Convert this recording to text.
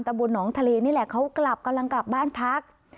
บนหนองทะเลนี่แหละเขากลับกำลังกลับบ้านพัก